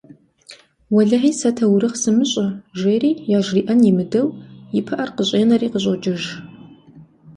Уэлэхьи, сэ таурыхъ сымыщӏэ, - жери, яжриӏэн имыдэу, и пыӏэр къыщӏенэри къыщӏокӏыж.